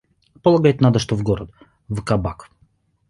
Полагать надо, что в город. В кабак.